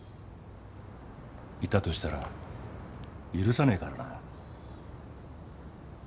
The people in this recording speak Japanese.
いたとしたら許さねえからな。